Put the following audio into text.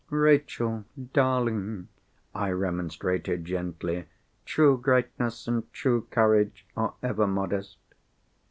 "Rachel, darling!" I remonstrated gently, "true greatness and true courage are ever modest."